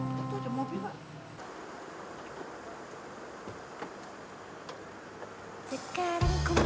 itu itu aja mobil pak